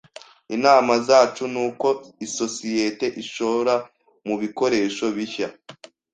Inama zacu nuko isosiyete ishora mubikoresho bishya.